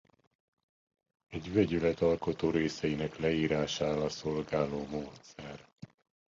Egy vegyület alkotórészeinek leírására szolgáló módszer.